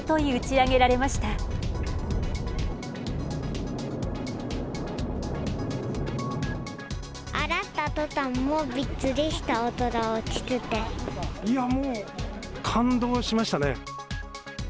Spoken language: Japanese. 上がったとたん、もうびっくりした、いやもう、感動しましたね。